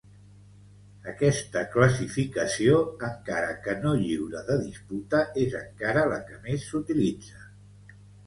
Aquesta classificació, encara que no lliure de disputa, és encara la que més s'utilitza.